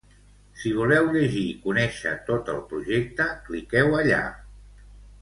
Si voleu llegir i conèixer tot el projecte cliqueu allà.